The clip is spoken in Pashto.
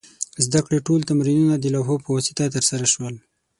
د زده کړې ټول تمرینونه د لوحو په واسطه ترسره شول.